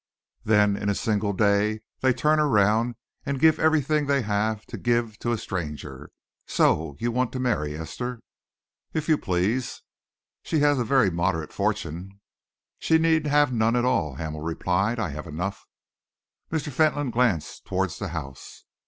Then, in a single day, they turn around and give everything they have to give to a stranger. So you want to marry Esther?" "If you please." "She has a very moderate fortune." "She need have none at all," Hamel replied; "I have enough." Mr. Fentolin glanced towards the house.